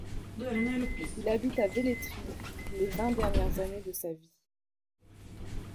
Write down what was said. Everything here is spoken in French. Il habite à Velletri les vingt dernières années de sa vie.